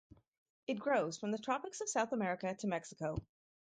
It grows from the tropics of South America to Mexico.